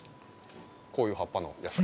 こういう葉っぱのやつ。